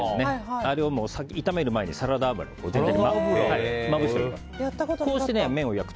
あれを炒める前にサラダ油を全体に絡めておきます。